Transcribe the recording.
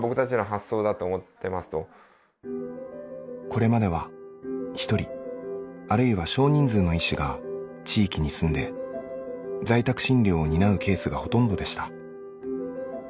これまでは１人あるいは少人数の医師が地域に住んで在宅診療を担うケースがほとんどでした。